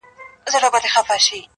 او د زړه درد رسېدلی-